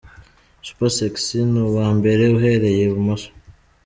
Super Sexy ni uwa mbere uhereye ibumoso.